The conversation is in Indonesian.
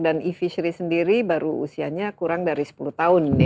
dan e fishery sendiri baru usianya kurang dari sepuluh tahun